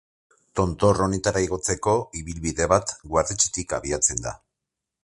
Tontor honetara igotzeko ibilbide bat, Guardetxetik abiatzen da.